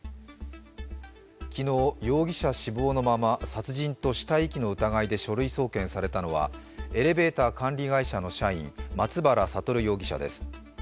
昨日、容疑者死亡のまま殺人と死体遺棄の疑いで書類送検されたのはエレベーター管理会社の社員、松原聡容疑者です。